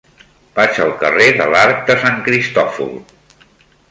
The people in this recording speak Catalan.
Vaig al carrer de l'Arc de Sant Cristòfol.